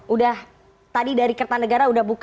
udah tadi dari kertanegara udah buka